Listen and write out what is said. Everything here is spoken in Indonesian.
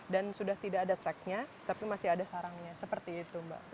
dan sudah tidak ada tracknya tapi masih ada sarangnya seperti itu mbak